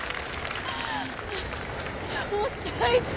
もう最高！